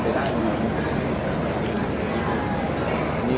แล้วก็จะกรรมรอดทั้งหมดแล้วก็จะกรรมรอดทั้งหมด